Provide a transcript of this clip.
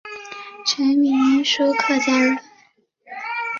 陈铭枢客家人。